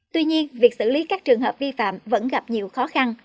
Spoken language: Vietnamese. tuy nhiên việc xử lý các trường hợp vi phạm vẫn gặp nhiều khó khăn